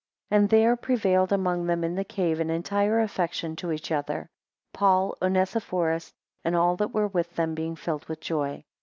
10 And there prevailed among them in the cave an entire affection to each other; Paul, Onesiphorus, and all that were with them being filled with joy.